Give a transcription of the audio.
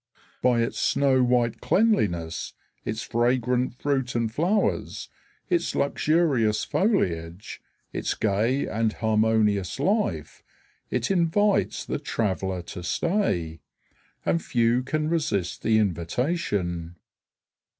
By its snow white cleanliness, its fragrant fruit and flowers, its luxurious foliage, its gay and harmonious life, it invites the traveler to stay and few can resist the invitation.